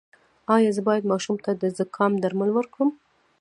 ایا زه باید ماشوم ته د زکام درمل ورکړم؟